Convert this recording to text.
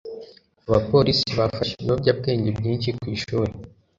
abapolisi bafashe ibiyobyabwenge byinshi ku ishuri